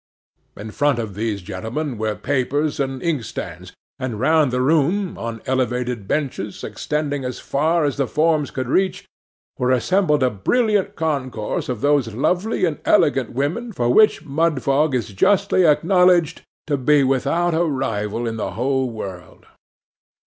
In front of these gentlemen were papers and inkstands; and round the room, on elevated benches extending as far as the forms could reach, were assembled a brilliant concourse of those lovely and elegant women for which Mudfog is justly acknowledged to be without a rival in the whole world.